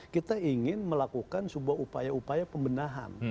kita ingin melakukan sebuah upaya upaya pembenahan